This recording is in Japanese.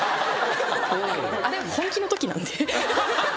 あれ本気のときなんで。